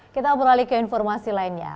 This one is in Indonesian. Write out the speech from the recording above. kita beralih ke informasi lainnya